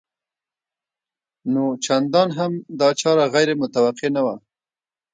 نو چندان هم دا چاره غیر متوقع نه وه